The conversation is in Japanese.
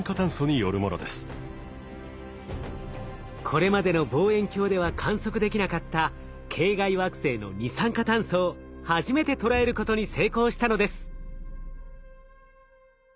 これまでの望遠鏡では観測できなかった系外惑星の二酸化炭素を初めて捉えることに成功したのです。